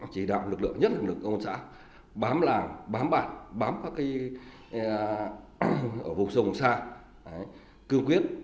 chỉ đạo lực lượng nhất là lực lượng xã bám làng bám bản bám các cây ở vùng sông xa cương quyết